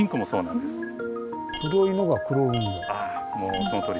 そうなんですよ。